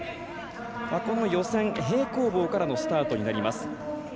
この予選、平行棒からのスタートになります。